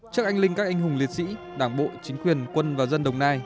trước anh linh các anh hùng liệt sĩ đảng bộ chính quyền quân và dân đồng nai